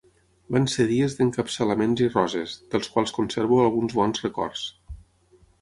Van ser dies d'encapçalaments i roses, dels quals conservo alguns bons records.